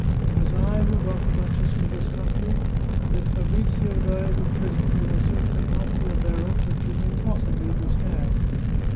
It was I who brought the duchess to this country, and if Fabrizio dies in prison, you will certainly not be a baron, but you may possibly be stabbed.